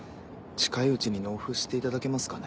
近いうちに納付していただけますかね？